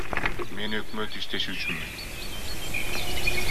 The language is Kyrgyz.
Мен өкмөт иштеши үчүнмүн.